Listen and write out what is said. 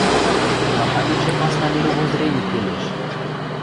— Махань эче пасна мировоззрени келеш?